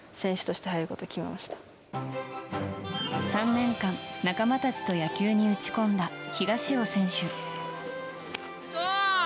３年間、仲間たちと野球に打ち込んだ東尾選手。